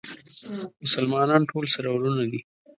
مسلمانان ټول سره وروڼه دي